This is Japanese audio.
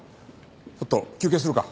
ちょっと休憩するか。